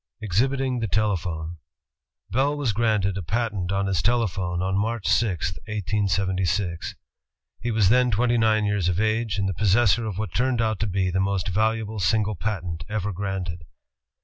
Exhibiting the Telephone Bell was granted a patent on his telephone on March 6, 1876. He was then twenty nine years of age, and the possessor of what turned out to be the "most valuable single patent ever granted."